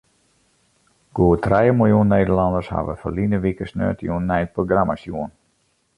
Goed trije miljoen Nederlanners hawwe ferline wike sneontejûn nei it programma sjoen.